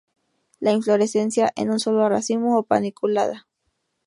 La inflorescencia en un solo racimo, o paniculada.